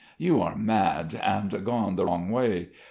"You are mad, and gone the wrong way.